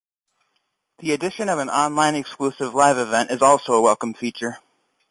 The addition of an 'Online Exclusive Live Event,' is also a welcome feature.